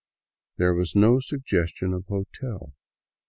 There was no suggestion of hotel.